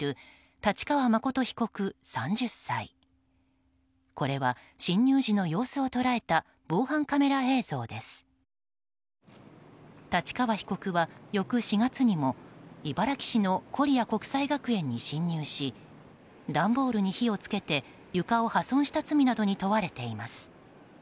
太刀川被告は翌４月にも茨木市のコリア国際学園に侵入し段ボールに火を付けて床を破損した罪などに問われています。